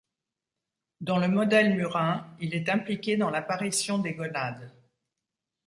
Dans le modèle murin, il est impliqué dans l'apparition des gonades.